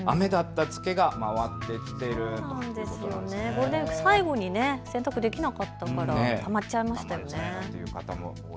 ゴールデンウイーク、最後に洗濯できなかったから、止まっちゃいましたよね。